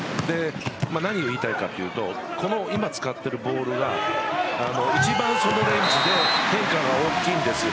何を言いたいかというと今、使っているボールは一番、そのレンジで変化が大きいんです。